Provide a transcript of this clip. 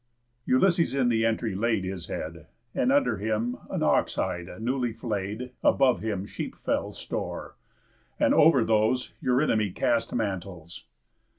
Ulysses in the entry laid his head, And under him an ox hide newly flay'd, Above him sheep fells store; and over those Eurynomé cast mantles.